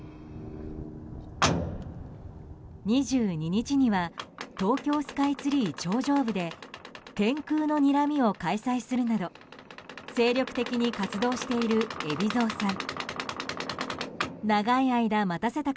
２２日には東京スカイツリー頂上部で「天空のにらみ」を開催するなど精力的に活動している海老蔵さん。